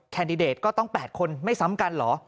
แดดิเดตก็ต้อง๘คนไม่ซ้ำกันเหรอ